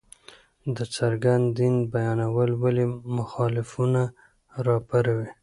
د څرګند دين بيانول ولې مخالفتونه راپاروي!؟